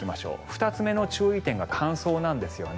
２つ目の注意点が乾燥なんですよね。